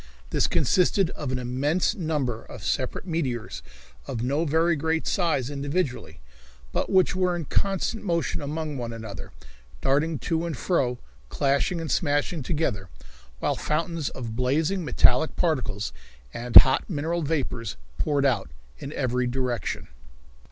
This consisted of an immense number of separate meteors of no very great size individually, but which were in constant motion among one another, darting to and fro, clashing and smashing together, while fountains of blazing metallic particles and hot mineral vapors poured out in every direction.